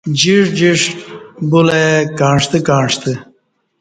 جݜٹ جݜٹ بُلہ ای کعݜتہ کعݜتہ